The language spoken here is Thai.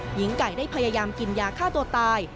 หญิงไก่ได้พยายามกินยาฆ่าตัวตาย